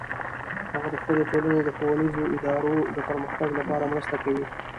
هغه د خپل ټولنې د ښوونیزو ادارو د پرمختګ لپاره مرسته کوي